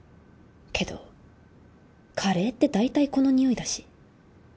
けどカレーってだいたいこのにおいだし